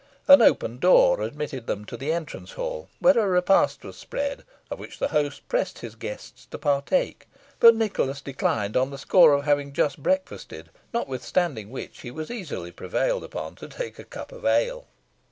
An open door admitted them to the entrance hall, where a repast was spread, of which the host pressed his guests to partake; but Nicholas declined on the score of having just breakfasted, notwithstanding which he was easily prevailed upon to take a cup of ale.